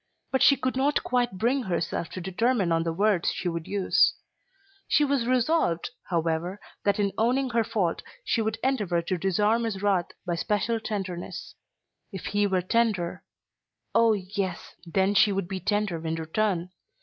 But she could not quite bring herself to determine on the words she would use. She was resolved, however, that in owning her fault she would endeavour to disarm his wrath by special tenderness. If he were tender; oh, yes, then she would be tender in return.